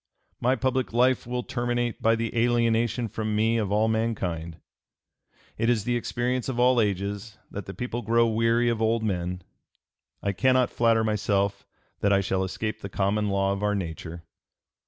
"My public life will terminate by the alienation from me of all mankind.... It is the experience of all ages that the people grow weary of old men. I cannot flatter myself that I shall escape the common law of our nature."